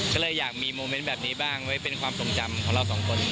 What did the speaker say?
ก็เลยอยากมีโมเมนต์แบบนี้บ้างไว้เป็นความทรงจำของเราสองคน